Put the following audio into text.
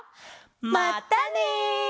まったね！